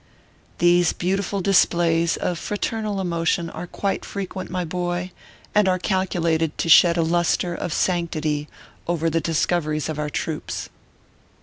These beautiful displays of fraternal emotion are quite frequent, my boy, and are calculated to shed a lustre of sanctity over the discoveries of our troops. 252 ORPHEUS C. KERR PAPERS.